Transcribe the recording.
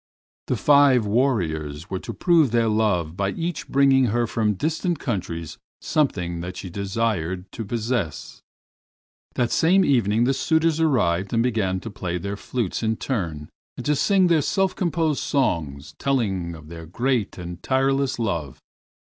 The five warriors were to prove their love by each bringing her from distant countries something that she desired to possess. That same evening the suitors arrived and began to play their flutes in turn, and to sing their self composed songs telling of their great and tireless love.